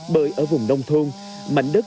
bởi ở vùng nông thôn mảnh đất